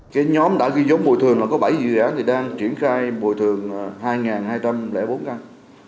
cái nhóm đã ghi giống bồi thường là có bảy dự án thì đang triển khai bồi thường hai hai trăm linh bốn căn